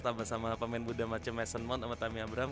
tambah sama pemain budha macem mason mount sama tammy abraham